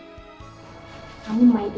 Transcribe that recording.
kamu main dulu ya sama kakak ya